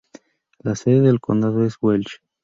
La sede del condado es Welch.